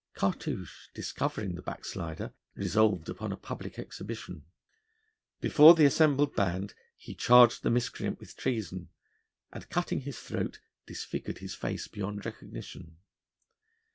Cartouche, discovering the backslider, resolved upon a public exhibition. Before the assembled band he charged the miscreant with treason, and, cutting his throat, disfigured his face beyond recognition.